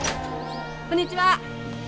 こんにちは。